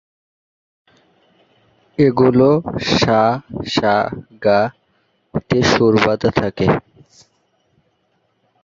এগুলো "সা সা গা" তে সুর বাঁধা থাকে।